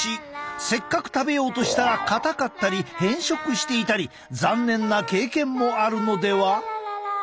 せっかく食べようとしたら硬かったり変色していたり残念な経験もあるのでは？